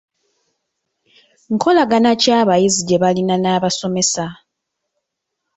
Nkolagana ki abayizi gye balina n'abasomesa?